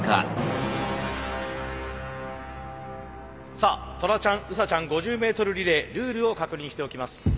さあトラちゃんウサちゃん５０ｍリレールールを確認しておきます。